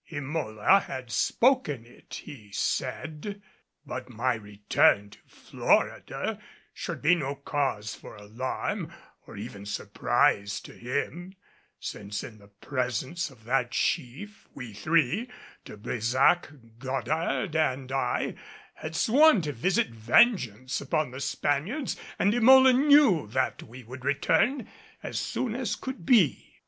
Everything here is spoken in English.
Emola had spoken it, he said, but my return to Florida should be no cause for alarm or even surprise to him, since in the presence of that chief we three, De Brésac, Goddard and I, had sworn to visit vengeance upon the Spaniards, and Emola knew that we would return as soon as could be.